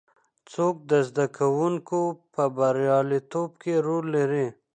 څوک د زده کوونکو په بریالیتوب کې رول لري؟